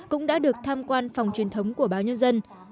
cũng đã được tham quan phòng truyền thống của báo nhân dân